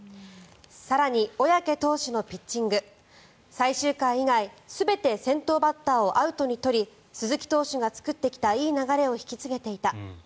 更に、小宅投手のピッチング最終回以外全て先頭バッターをアウトに取り鈴木投手が作ってきたいい流れを引き継げていた。